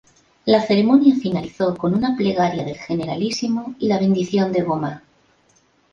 La ceremonia finalizó con una plegaria del Generalísimo y la bendición de Gomá.